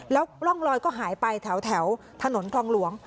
แล้วร่องลอยก็หายไปแถวถนนคลองหลวง